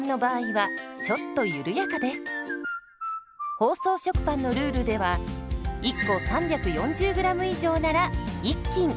包装食パンのルールでは１個３４０ｇ以上なら１斤。